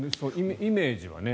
イメージはね。